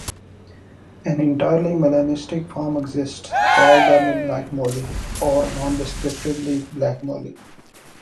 An entirely melanistic form exists called the midnight molly, or nondescriptly, "black molly".